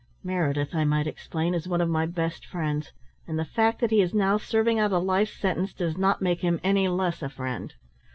Meredith, I might explain, is one of my best friends, and the fact that he is now serving out a life sentence does not make him any less a friend.